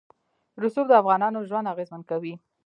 رسوب د افغانانو ژوند اغېزمن کوي.